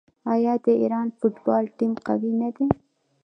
آیا د ایران فوټبال ټیم قوي نه دی؟